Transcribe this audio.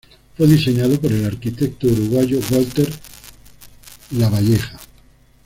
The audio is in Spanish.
Fue diseñado por el arquitecto uruguayo Walter Lavalleja.